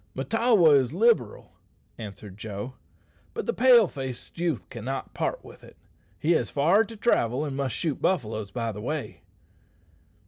"Mahtawa is liberal," answered Joe; "but the pale faced youth cannot part with it. He has far to travel, and must shoot buffaloes by the way."